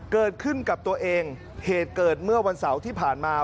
เกิดขึ้นกับตัวเองเหตุเกิดเมื่อวันเสาร์ที่ผ่านมา